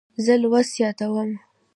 زه لوست یادوم.